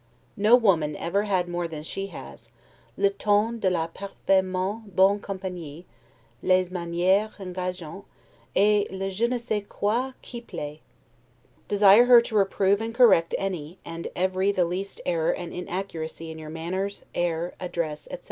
No woman ever had more than she has, 'le ton de la parfaitement bonne compagnie, les manieres engageantes, et le je ne sais quoi qui plait'. Desire her to reprove and correct any, and every the least error and inaccuracy in your manners, air, address, etc.